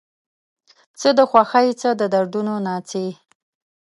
څه د خوښۍ څه د دردونو ناڅي